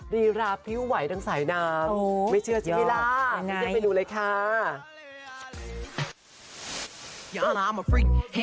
รีลาผิวไหวทั้งสายน้ำ